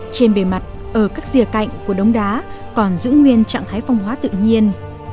trên bề mặt ở các rìa cạnh của đống đá còn giữ nguyên trạng thái phong hóa tự nhiên